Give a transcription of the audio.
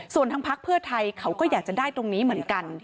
ส่วนทางพักเพื่อไทยเขาก็อยากจะได้ตรงนี้เหมือนกัน